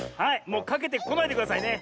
もうかけてこないでくださいね。